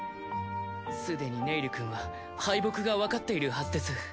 すでにネイルくんは敗北がわかっているはずです。